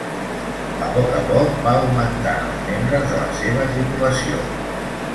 A poc a poc va augmentant els membres de la seva tripulació.